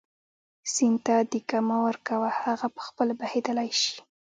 سیند ته دیکه مه ورکوه هغه په خپله بهېدلی شي.